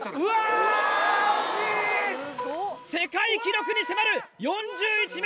世界記録に迫る。